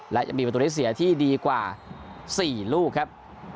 และเป็นประตูนิเศียที่ดีกว่าสี่ลูกครับ